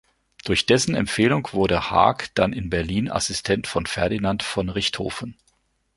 Durch dessen Empfehlung wurde Haack dann in Berlin Assistent von Ferdinand von Richthofen.